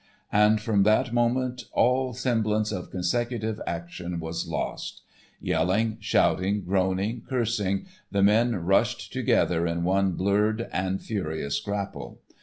And from that moment all semblance of consecutive action was lost. Yelling, shouting, groaning, cursing, the men rushed together in one blurred and furious grapple.